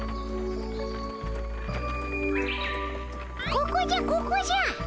ここじゃここじゃ。